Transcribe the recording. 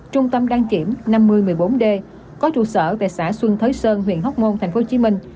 trung tâm đăng kiểm năm nghìn một mươi bốn d có trụ sở tại xã xuân thới sơn huyện hóc môn tp hcm